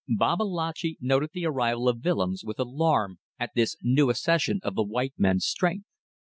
Babalatchi noted the arrival of Willems with alarm at this new accession to the white men's strength.